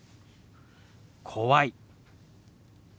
「怖い」。